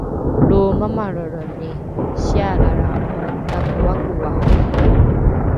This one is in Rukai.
lo mamalrelreni sialalra’o takoakoao